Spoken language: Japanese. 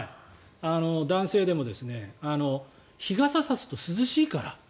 男性でも日傘を差すと涼しいから。